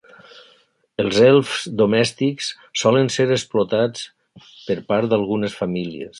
Els elfs domèstics solen ser explotats per part d'algunes famílies.